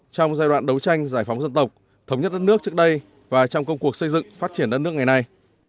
trong giai đoạn đấu tranh giải phóng dân tộc thống nhất đất nước trước đây và trong công cuộc xây dựng phát triển đất nước ngày nay